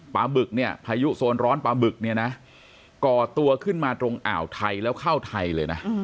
บึกเนี่ยพายุโซนร้อนปลาบึกเนี่ยนะก่อตัวขึ้นมาตรงอ่าวไทยแล้วเข้าไทยเลยนะ